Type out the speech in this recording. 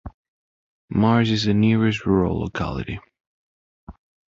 Mars is the nearest rural locality.